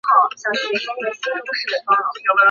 国会唱片让这首歌在他们官方网站上免费下载。